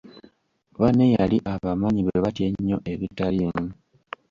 Banne yali abamanyi bwe batya ennyo ebitaliimu.